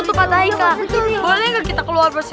boleh gak kita keluar pak sri giti ya pak